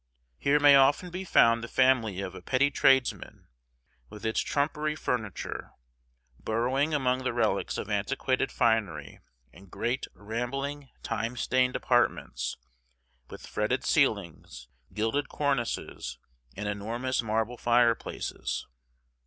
Here may often be found the family of a petty tradesman, with its trumpery furniture, burrowing among the relics of antiquated finery in great rambling time stained apartments with fretted ceilings, gilded cornices, and enormous marble fireplaces.